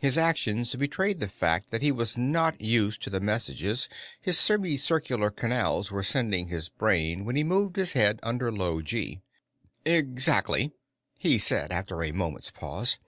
His actions betrayed the fact that he was not used to the messages his semicircular canals were sending his brain when he moved his head under low gee. "Exactly," he said after a moment's pause.